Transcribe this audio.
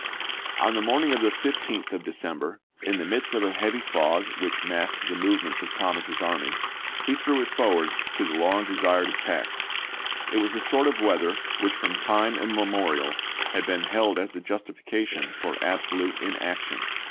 On the morning of the 15th of December, in the i864. midst of a heavy fog which masked the movements of Thomas's army, he threw it forward to the long desired attack. It was the sort of weather which from time immemorial had been held as a justifica tion for absolute inaction.